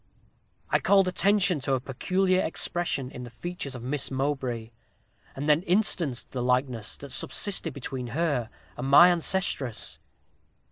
I called attention to a peculiar expression in the features of Miss Mowbray, and then instanced the likeness that subsisted between her and my ancestress.